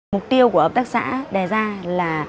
mục tiêu của hợp tác xã đề ra là